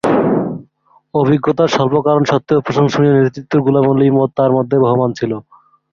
অভিজ্ঞতার স্বল্প কারণ স্বত্ত্বেও প্রশংসনীয় নেতৃত্বের গুণাবলী তার মধ্যে বহমান ছিল।